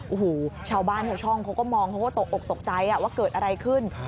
โอ้โหชาวบ้านชาวช่องเขาก็มองเขาก็ตกอกตกใจว่าเกิดอะไรขึ้น